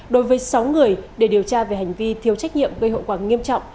đối với sáu người để điều tra về hành vi thiếu trách nhiệm gây hậu quả nghiêm trọng